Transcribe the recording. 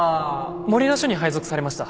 守名署に配属されました。